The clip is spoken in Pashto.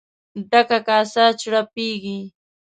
ډکه کاسه چړپېږي.